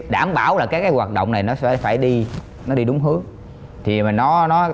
đảm bảo là cái hoạt động này nó sẽ phải đi đúng hướng